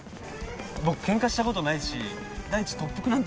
僕ケンカしたことないし第一特服なんて持ってないもん。